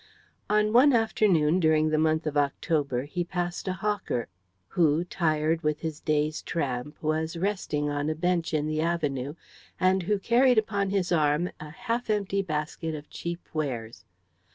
On one afternoon during the month of October he passed a hawker, who, tired with his day's tramp, was resting on a bench in the avenue, and who carried upon his arm a half empty basket of cheap wares.